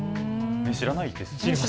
知らないですよね。